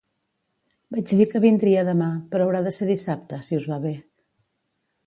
Vaig dir que vindria demà però haurà de ser dissabte, si us va bé.